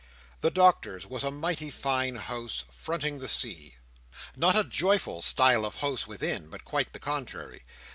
The Doctor's was a mighty fine house, fronting the sea. Not a joyful style of house within, but quite the contrary.